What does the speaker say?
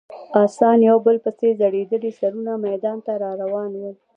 اسان یو په بل پسې ځړېدلي سرونه میدان ته راروان ول.